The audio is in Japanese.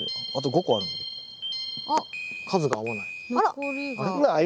数が合わない。